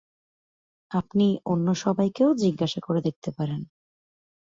আপনি অন্য সবাইকেও জিজ্ঞেস করে দেখতে পারেন।